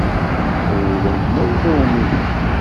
Rewlemt ma yella umihi.